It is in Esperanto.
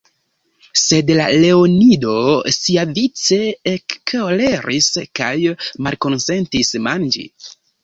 Sed la leonido siavice ekkoleris kaj malkonsentis manĝi.